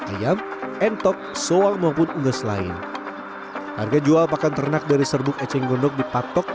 ayam entok sowang maupun unggah selain harga jual pakan ternak dari serbuk eceng gondok di patok